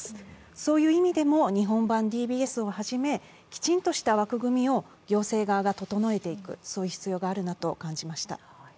そういう意味でも日本版ＤＢＳをはじめ、きちんとした枠組みを行政側が整えていく必要があると感じました。